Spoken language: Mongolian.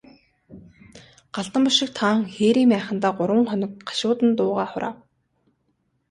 Галдан бошигт хаан хээрийн майхандаа гурван хоног гашуудан дуугаа хураав.